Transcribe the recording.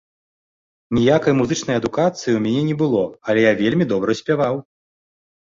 Ніякай музычнай адукацыі ў мяне не было, але я вельмі добра спяваў.